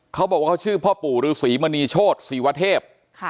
เขาบอกว่าเขาชื่อพ่อปู่ฤษีมณีโชธศรีวเทพ